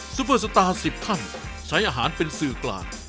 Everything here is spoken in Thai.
เปอร์สตาร์๑๐ท่านใช้อาหารเป็นสื่อกลาง